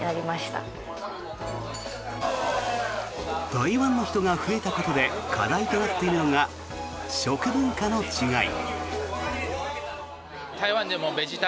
台湾の人が増えたことで課題となっているのが食文化の違い。